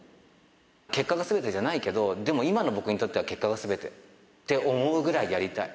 結果がすべてじゃないけど、でも今の僕にとっては、結果がすべて。って思うぐらいやりたい。